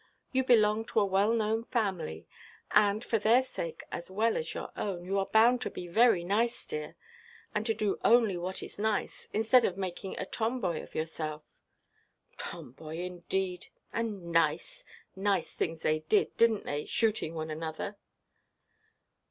You belong to a well–known family, and, for their sake as well as your own, you are bound to be very nice, dear, and to do only what is nice, instead of making a tomboy of yourself." "Tomboy, indeed! And nice! Nice things they did, didnʼt they—shooting one another?"